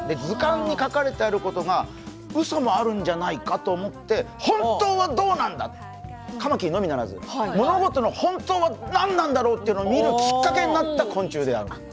図鑑に書かれてあることがうそもあるんじゃないかと思って本当はどうなんだカマキリのみならず物事の本当は何なんだろうというのを見るきっかけになった昆虫である。